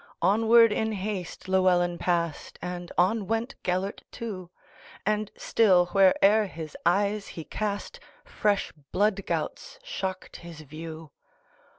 Onward, in haste, Llewelyn passed, And on went Gêlert too; And still, where'er his eyes he cast, Fresh blood gouts shocked his view.